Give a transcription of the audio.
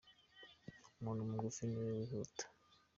Umuntu mugufi niwe wihuta.